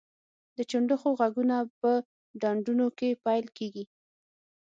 د چنډخو غږونه په ډنډونو کې پیل کیږي